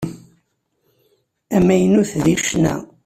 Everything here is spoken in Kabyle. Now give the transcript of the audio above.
Amaynut deg ccna.